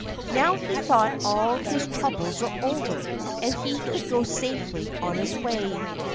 Now he thought all his troubles were over and he could go safely on his way.